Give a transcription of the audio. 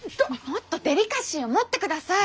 もっとデリカシーを持って下さい！